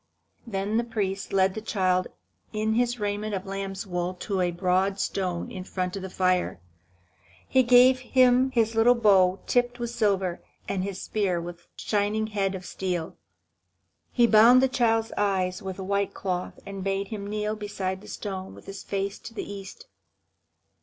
Then the priest led the child in his raiment of lamb's wool to a broad stone in front of the fire. He gave him his little bow tipped with silver, and his spear with shining head of steel. He bound the child's eyes with a white cloth, and bade him kneel beside the stone with his face to the east.